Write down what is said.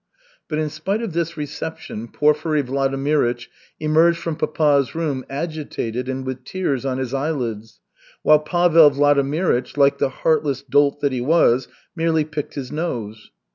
But in spite of this reception, Porfiry Vladimirych emerged from papa's room agitated and with tears on his eyelids, while Pavel Vladimirych, like "the heartless dolt" that he was, merely picked his nose.